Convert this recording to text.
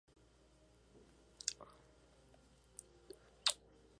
Obtuvo victorias en Salamanca y Guadalajara.